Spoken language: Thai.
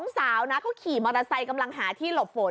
สาวนะเขาขี่มอเตอร์ไซค์กำลังหาที่หลบฝน